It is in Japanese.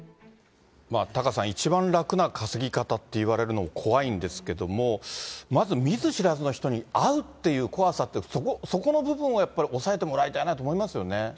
タカさん、一番楽な稼ぎ方って言われるのも怖いんですけれども、まず見ず知らずの人に会うっていう怖さって、そこの部分をやっぱり押さえてもらいたいなと思いますよね。